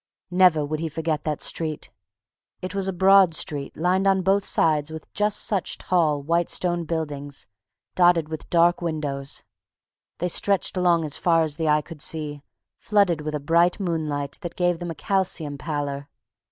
... Never would he forget that street.... It was a broad street, lined on both sides with just such tall, white stone buildings, dotted with dark windows; they stretched along as far as the eye could see, flooded with a bright moonlight that gave them a calcium pallor.